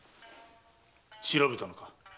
調べたのか？